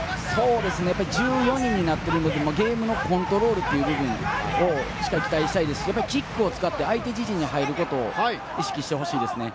１４人になってるときもゲームのコントロールという部分をしっかり期待したいですし、キックを使って、相手自陣に入ることを意識してほしいですね。